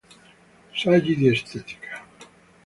Saggi di estetica".